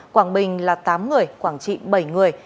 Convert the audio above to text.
quảng bình là tám người quảng trị bảy người